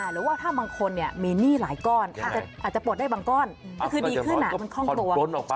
หรือว่าถ้าบางคนมีหนี้หลายก้อนอาจจะปลดได้บางก้อนก็คือดีขึ้นมันคล่องตัว